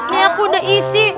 nih aku udah isi